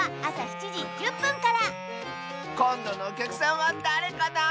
こんどのおきゃくさんはだれかな？